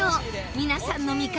皆さんの味方